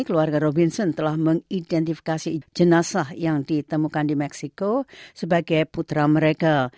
keluarga robinson telah mengidentifikasi jenazah yang ditemukan di meksiko sebagai putra mereka